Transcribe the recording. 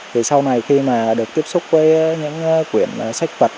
thì sau này khi mà được tiếp xúc với những quyển sách vật